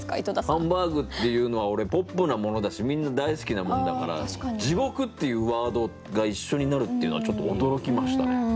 ハンバーグっていうのは俺ポップなものだしみんな大好きなものだから「地獄」っていうワードが一緒になるっていうのはちょっと驚きましたね。